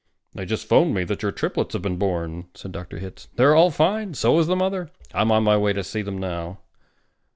"They just phoned me that your triplets have been born," said Dr. Hitz. "They're all fine, and so is the mother. I'm on my way in to see them now."